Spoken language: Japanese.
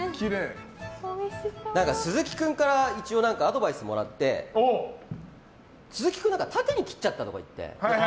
鈴木君からアドバイスをもらって鈴木君縦に切っちゃったとか言って。